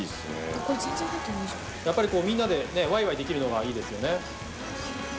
やっぱりこうみんなでねワイワイできるのがいいですよね。